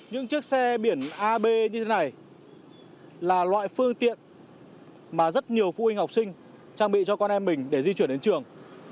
những chiếc xe biển ab như thế này là loại phương tiện mà rất nhiều phụ huynh học sinh trang bị cho con em mình để di chuyển đến trường